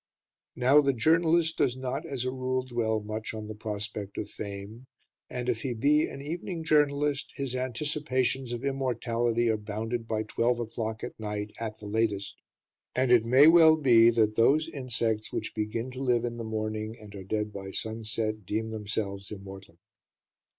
Now the journalist does not, as a rule, dwell much on the prospect of fame; and if he be an evening journalist, his anticipations of immortality are bounded by twelve o'clock at night at the latest; and it may well be that those insects which begin to live in the morning and are dead by sunset deem themselves immortal.